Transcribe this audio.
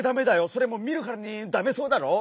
それ見るからにダメそうだろう？